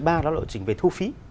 đó là lộ trình về thu phí